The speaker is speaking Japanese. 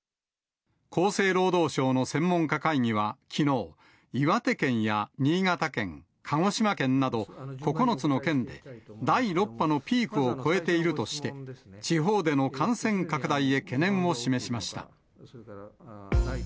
厚生労働省の専門家会議はきのう、岩手県や新潟県、鹿児島県など、９つの県で、第６波のピークを超えているとして、地方での感染拡大へ懸念を示しました。